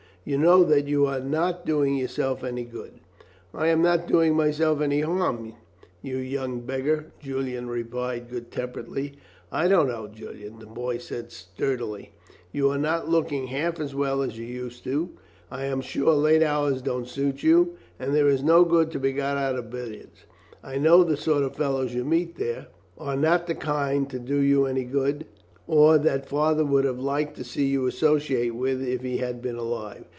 You know that you are not doing yourself any good." "I am not doing myself any harm, you young beggar," Julian replied good temperedly. "I don't know, Julian," the boy said sturdily; "you are not looking half as well as you used to do. I am sure late hours don't suit you, and there is no good to be got out of billiards. I know the sort of fellows you meet there are not the kind to do you any good, or that father would have liked to see you associate with if he had been alive.